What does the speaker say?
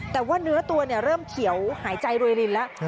แต่ว่าเนื้อตัวเริ่มเขียวหายใจรวยรินแล้ว